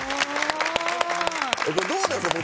どうですか？